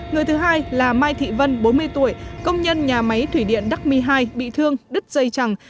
người thứ hai là mai thị vân bốn mươi tuổi công nhân nhà máy thủy điện đắc mi hai bị thương đứt dây chẳng